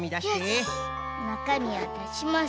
よしなかみをだします。